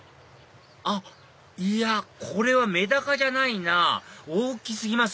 あっいやこれはメダカじゃないなぁ大き過ぎます